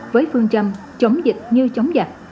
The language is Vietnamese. với phương châm chống dịch như chống giặc